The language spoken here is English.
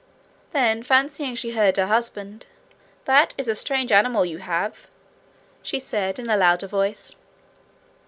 Then fancying she heard her husband, 'That is a strange animal you have,' she said, in a louder voice.